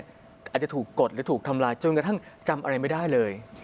อาจจะถูกกดหรือถูกทำลายจนกระทั่งจำอะไรไม่ได้เลย